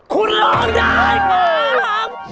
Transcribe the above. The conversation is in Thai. คุณลองได้ครับ